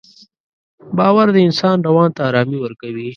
باور د انسان روان ته ارامي ورکوي.